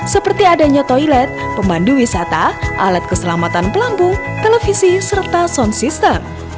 seperti adanya toilet pemandu wisata alat keselamatan pelampung televisi serta sound system